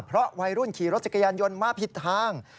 เพราะวัยรุ่นขี่รถจักรยานยนต์มาผิดทาง